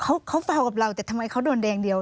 เขาเขาเฝ้ากับเราแต่ทำไมเขาโดนแดงเดียว